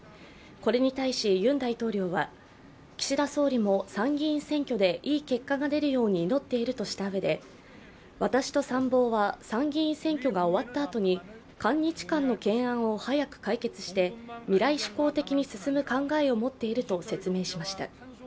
これに対しユン大統領は岸田総理も参議院選挙でいい結果が出るように祈っているとしたうえで私と参謀は参議院選挙が終わったあとに韓日間の懸案を早く解決して未来志向的に進む考えを持っていると説明しました。